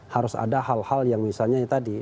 harus ada hal hal yang misalnya tadi